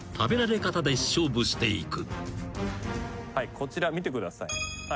こちら見てください。